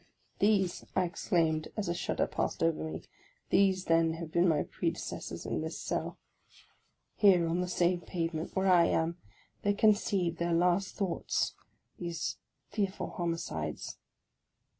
" These," I exclaimed, as a shudder passed over me, " these, then, have been my predecessors in this cell. Here, on the same pavement where I am, they conceived their last thoughts, — these fearful homicides